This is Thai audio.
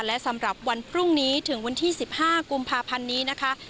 และสำหรับวันพรุ่งนี้ถึงวันที่๑๕กุมภาพันธ์นี้นะคะ